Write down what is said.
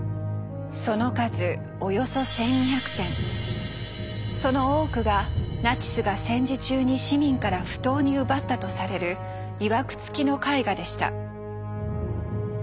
その数およそその多くがナチスが戦時中に市民から不当に奪ったとされるいわくつきの絵画でした。